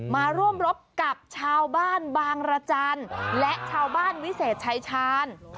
มาร่วมรบกับชาวบ้านบางรจันทร์และชาวบ้านวิเศษชายชาญ